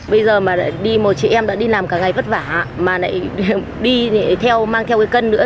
bây giờ mà lại đi một chị em đã đi làm cả ngày vất vả mà lại đi theo mang theo cái cân nữa